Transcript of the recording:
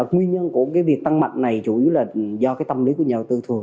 nguyên nhân của việc tăng mạnh này chủ yếu là do tâm lý của nhà đầu tư thường